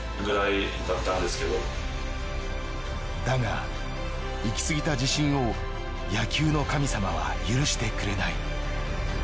だが行き過ぎた自信を野球の神様は許してくれない。